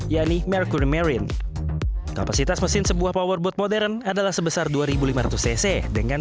yakni merkuri marine kapasitas mesin sebuah powerboat modern adalah sebesar dua ribu lima ratus cc dengan